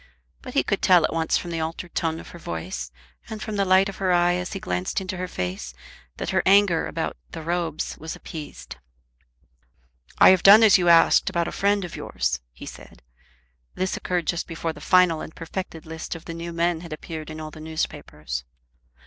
But he could tell at once from the altered tone of her voice, and from the light of her eye as he glanced into her face, that her anger about "The Robes" was appeased. "I have done as you asked about a friend of yours," he said. This occurred just before the final and perfected list of the new men had appeared in all the newspapers.